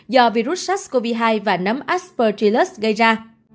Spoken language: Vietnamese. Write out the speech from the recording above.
do virus sars cov hai và nấm aspergillus gây ra